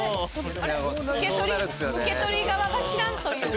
受け取り側が知らんという。